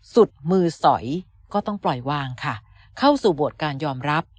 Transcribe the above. สุดมือสอยก็ต้องปล่อยวางค่ะเข้าสู่โบสถ์การยอมรับ